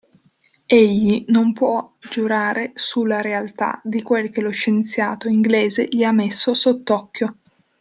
Egli non può giurare su la realtà di quel che lo scienziato inglese gli ha messo sott'occhio.